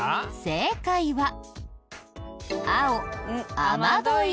正解は青雨どい。